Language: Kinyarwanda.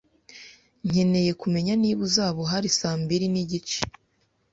Nkeneye kumenya niba uzaba uhari saa mbiri nigice.